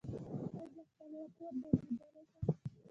ایا زه خپل راپور درلیږلی شم؟